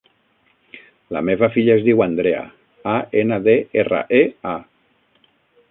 La meva filla es diu Andrea: a, ena, de, erra, e, a.